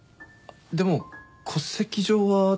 でも戸籍上は。